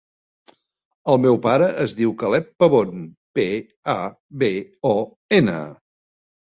El meu pare es diu Caleb Pabon: pe, a, be, o, ena.